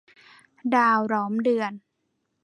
ดาวล้อมเดือน